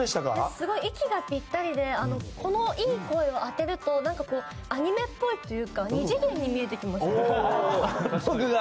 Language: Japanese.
すごい息がぴったりでこのいい声を当てるとアニメっぽいというか２次元に見えてきますよね。